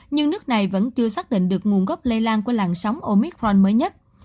nhưng nước này vẫn chưa xác định được nguồn gốc lây lan của làn sóng omitron mới nhất